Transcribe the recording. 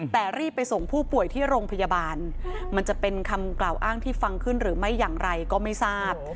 แต่รีบไปส่งผู้ป่วยที่โรงพยาบาลมันจะเป็นคำกล่าวอ้างที่ฟังขึ้นหรือไม่อย่างไรก็ไม่ทราบ